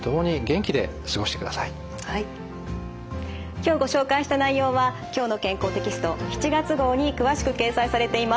今日ご紹介した内容は「きょうの健康」テキスト７月号に詳しく掲載されています。